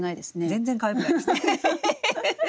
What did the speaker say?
全然かわいくないですね。